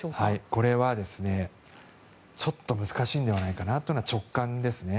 これはちょっと難しいのではないかなというのが直観ですね。